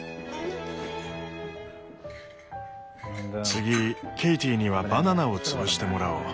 次ケイティにはバナナを潰してもらおう。